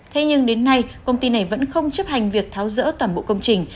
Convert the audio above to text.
thế nhưng đến nay công ty này vẫn không chấp hành việc tháo rỡ toàn bộ công trình